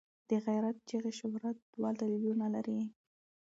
د غیرت چغې شهرت دوه دلیلونه لري.